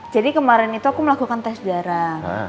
jadi kemarin itu aku melakukan tes darah